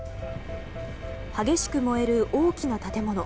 激しく燃える大きな建物。